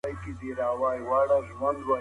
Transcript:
چا شپېلۍ رانه سنګسار کړه، چا په دار د رباب شرنګ دی